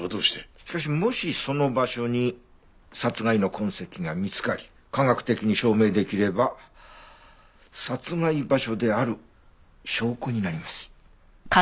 しかしもしその場所に殺害の痕跡が見つかり科学的に証明できれば殺害場所である証拠になります。